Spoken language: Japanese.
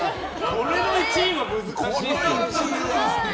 これの１位は難しいですよ。